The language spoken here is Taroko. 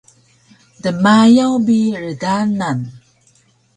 dmayaw bi rdanan